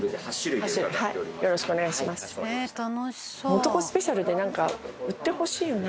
素子スペシャルでなんか売ってほしいよな。